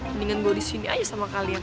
mendingan gue di sini aja sama kalian